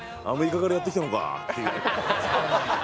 アメリカからやって来たのかっていう。